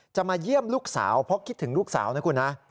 จะมาเยี่ยมลูกสาวเพราะคิดถึงลูกสาวนะคุณนะ